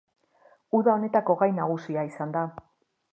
Uda honetako gai nagusia izan da.